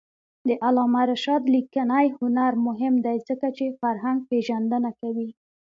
د علامه رشاد لیکنی هنر مهم دی ځکه چې فرهنګپېژندنه کوي.